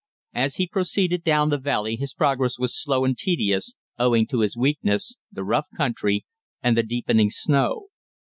As he proceeded down the valley his progress was slow and tedious, owing to his weakness, the rough country, and the deepening snow.